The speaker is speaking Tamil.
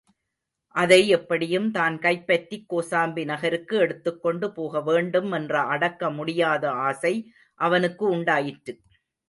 அதை எப்படியும் தான் கைப்பற்றிக் கோசாம்பி நகருக்கு எடுத்துக்கொண்டு போகவேண்டும் என்ற அடக்க முடியாத ஆசை அவனுக்கு உண்டாயிற்று.